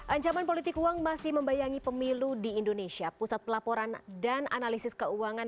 ancaman politik uang masih membayangi pemilu di indonesia pusat pelaporan dan analisis keuangan